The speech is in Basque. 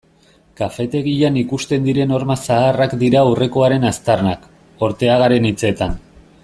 Kafetegian ikusten diren horma zaharrak dira aurrekoaren aztarnak, Ortegaren hitzetan.